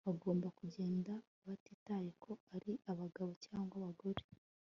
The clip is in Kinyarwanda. Bagomba kugenda batitaye ko ari abagabo cyangwa abagore